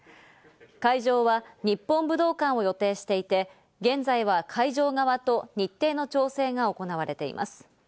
会場は日本武道館を予定していて、現在は会場側と日程の調整が行われています。